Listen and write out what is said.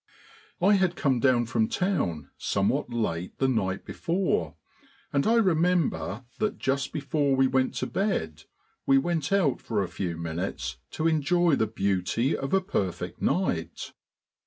I had come down from town somewhat late the night before, and I remember that just before we went to bed we went out for a few minutes to enjoy the beauty of a perfect night.